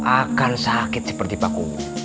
akan sakit seperti pak kuwu